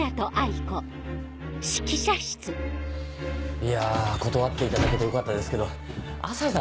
いや断っていただけてよかったですけど朝陽さん